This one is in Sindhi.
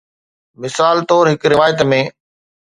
مثال طور، هڪ روايت ۾